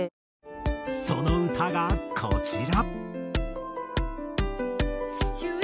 その歌がこちら。